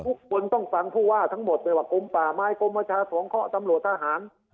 ทุกคนต้องฟังผู้ว่าทั้งหมดไม่ว่ากรมป่าไม้กรมประชาสงเคราะห์ตำรวจทหาร